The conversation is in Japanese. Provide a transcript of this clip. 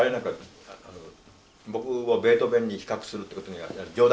僕をベートーベンに比較するってことには冗談も踏まえて。